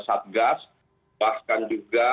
satgas bahkan juga